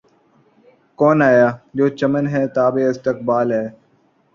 کون آیا‘ جو چمن بے تابِ استقبال ہے!